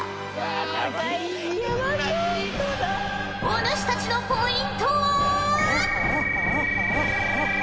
お主たちのポイントは。